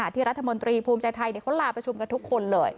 ที่รัฐมนตรีภูมิใจไทยเขาลาประชุมกันทุกคนเลย